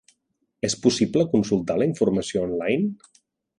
És possible consultar la informació online?